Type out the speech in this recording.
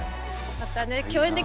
またね。